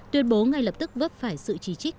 tuyên bố ngay lập tức vấp phải sự chỉ trích